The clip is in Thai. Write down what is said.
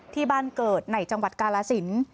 ที่บ้านเกิดในจังหวัดกาลสิน